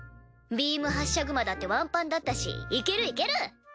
ビーム発射熊だってワンパンだったしいけるいける！